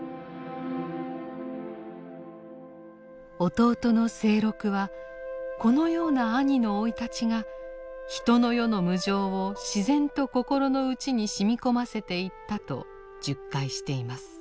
弟の清六はこのような兄の生い立ちが人の世の無常を自然と心の内にしみこませていったと述懐しています。